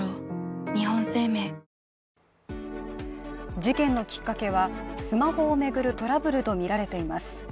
事件のきっかけはスマホを巡るトラブルとみられています。